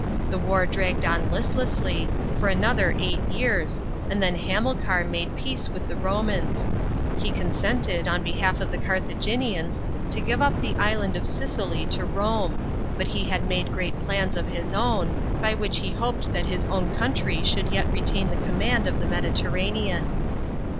The war dragged on listlessly, for another eight years, and then Hamilcar made peace with the Romans. He con sented, on behalf of the Carthaginians, to give up the island of Sicily to Rome ; but he had made great plans of his own, by which he hoped that his own country should yet retain the command of the Mediterranean.